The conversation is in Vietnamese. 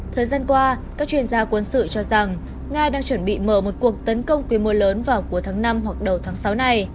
thời gian qua các chuyên gia quân sự cho rằng nga đang chuẩn bị mở một cuộc tấn công quy mô lớn vào cuối tháng năm hoặc đầu tháng sáu này